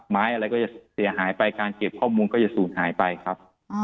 อะไรก็จะเสียหายไปการเก็บข้อมูลก็จะสูญหายไปครับ